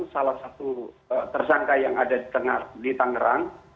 salah satu tersangka yang ada di tengah di tangerang